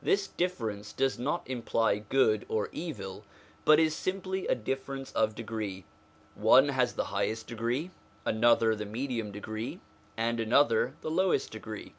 This difference does not imply good or evil, but is simply a difference of degree. One has the highest degree, another the medium degree, and another the lowest degree.